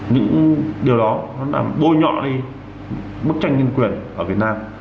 những điều đó bôi nhọ đi bức tranh nhân quyền ở việt nam